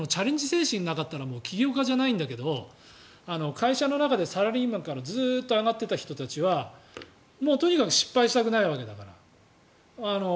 精神がなかったら起業家じゃないんだけど会社の中でサラリーマンからずっと上がっていった人たちはとにかく失敗したくないわけだから。